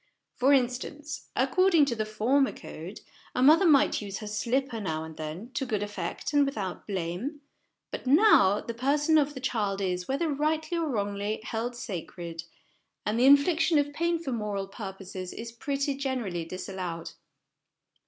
For instance, according to the former code, a mother might use her slipper now and then, to good effect and without blame ; but now, the person of the child is, whether rightly or wrongly, held sacred, SOME PRELIMINARY CONSIDERATIONS 7 and the infliction of pain for moral purposes is pretty generally disallowed.